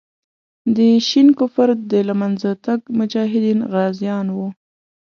د شین کفر د له منځه تګ مجاهدین غازیان وو.